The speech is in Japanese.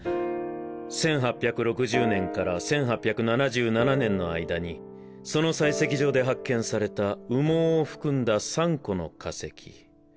１８６０年から１８７７年の間にその採石場で発見された羽毛を含んだ３個の化石。